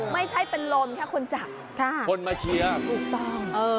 ไม่ใช่เป็นลมแค่คนจับใช่คนมาเชียงตรงเออ